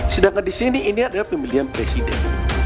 sedangkan di sini ini adalah pemilihan presiden